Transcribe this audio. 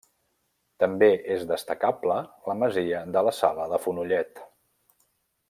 També és destacable la masia de la Sala de Fonollet.